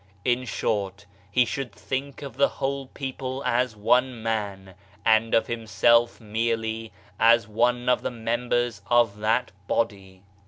In short, he should think of the whole people as one man, and of himself merely as one of the members of that body.